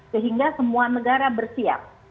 sehingga semua negara bersiap